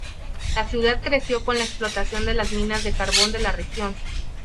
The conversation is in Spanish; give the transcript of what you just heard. La ciudad creció con la explotación de las minas de carbón de la región.